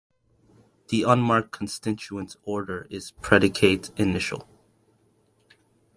The unmarked constituent order is predicate initial.